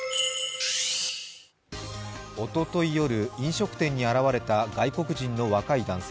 おととい夜、飲食店に現れた外国人の若い男性。